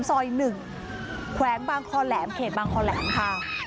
ซอย๑แขวงบางคอแหลมเขตบางคอแหลมค่ะ